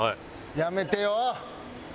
やめてよ？